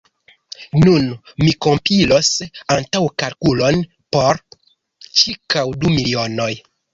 Nun mi kompilos antaŭkalkulon por ĉirkaŭ du milionoj.